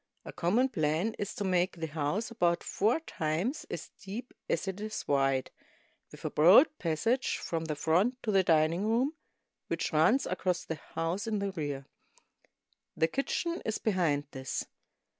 A common plan is to make the house about four times as deep as it is wide, with a broad passage from the front to the dining room, which runs across the house in the rear. The kitchen is behind this.